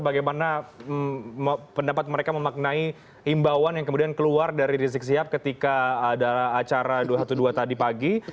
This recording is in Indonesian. bagaimana pendapat mereka memaknai imbauan yang kemudian keluar dari rizik sihab ketika ada acara dua ratus dua belas tadi pagi